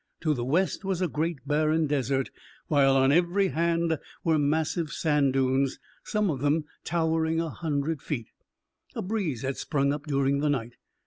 To the west was a great barren desert, while on every hand were massive sand dunes, some of them towering a hundred feet. A breeze had sprung up during the night.